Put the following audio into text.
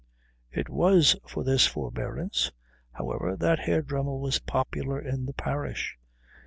It was for this forbearance, however, that Herr Dremmel was popular in the parish.